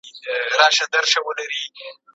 ¬ درواغجن دي درواغ وايي، عاقل دې قياس کوي.